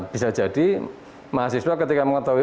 bisa jadi mahasiswa ketika mengetahui